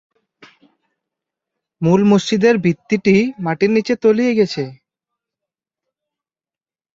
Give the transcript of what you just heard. মূল মসজিদের ভিত্তিটি মাটির নিচে তলিয়ে গেছে।